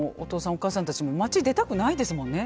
おかあさんたちも街出たくないですもんね。